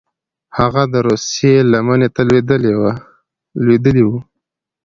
هغه د روسیې لمنې ته لوېدلي وه.